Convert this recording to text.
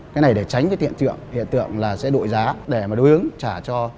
cái này để tránh cái hiện tượng là sẽ đội giá để mà đối ứng trả cho